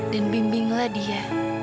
dan bimbinglah dia